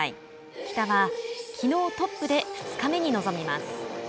喜田がきのうトップで２日目に臨みます。